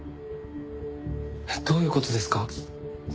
えっどういう事ですか？